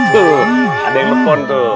tuh ada yang nefon tuh